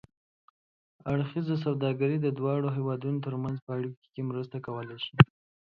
اړخیزه سوداګري د دواړو هېوادونو ترمنځ په اړیکو کې مرسته کولای شي.